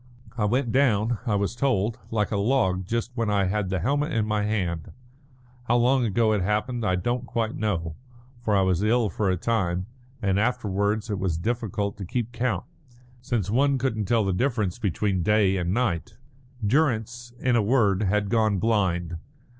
I went down, I was told, like a log just when I had the helmet in my hand. How long ago it happened I don't quite know, for I was ill for a time, and afterwards it was difficult to keep count, since one couldn't tell the difference between day and night." Durrance, in a word, had gone blind.